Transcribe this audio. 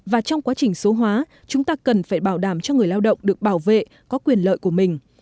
và trong quá trình số hóa chúng ta cần phải bảo đảm cho người lao động được bảo vệ có quyền lợi của mình